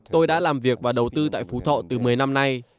tôi đã làm việc và đầu tư tại phú thọ từ một mươi năm nay